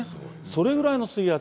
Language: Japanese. それぐらいの水圧。